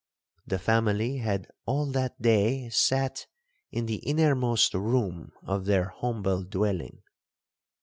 'The family had all that day sat in the innermost room of their humble dwelling.